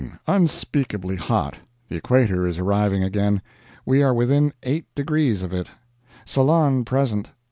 Unspeakably hot. The equator is arriving again. We are within eight degrees of it. Ceylon present.